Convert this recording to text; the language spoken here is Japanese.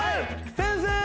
先生！